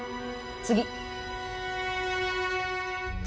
次。